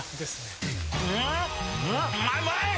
うまい！